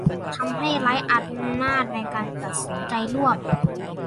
ทำให้ไร้อำนาจในการตัดสินใจร่วม